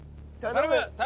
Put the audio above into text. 頼む。